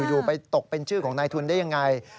อยู่ไปตกเป็นชื่อของนายทุนได้ยังไง